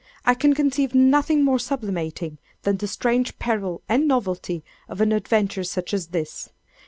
I can conceive nothing more sublimating than the strange peril and novelty of an adventure such as this.